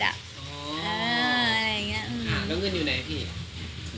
แล้วเงินอยู่ไหนอ่ะพี่